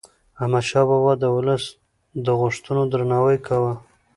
احمدشاه بابا د ولس د غوښتنو درناوی کاوه.